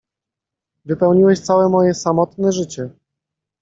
Wypełniłeś całe moje samotne życie!